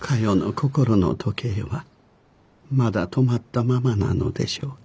心の時計はまだ止まったままなのでしょうか。